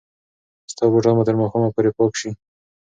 ستا بوټان به تر ماښامه پورې پاک شي.